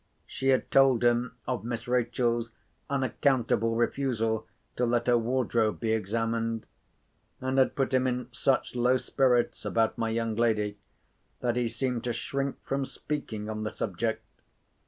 She had told him of Miss Rachel's unaccountable refusal to let her wardrobe be examined; and had put him in such low spirits about my young lady that he seemed to shrink from speaking on the subject.